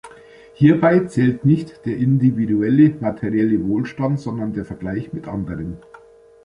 Hierbei zählt nicht der individuelle materielle Wohlstand, sondern der Vergleich mit anderen.